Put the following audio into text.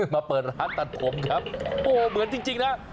มาเปิดร้านตัดผมครับโอ้โหเหมือนจริงนะ